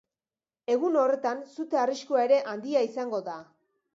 Egun horretan, sute arriskua ere handia izango da.